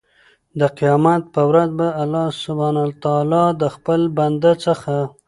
د قيامت په ورځ به الله سبحانه وتعالی د خپل بنده څخه